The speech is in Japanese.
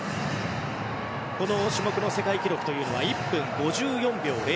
この種目の世界記録というのは１分５４秒００。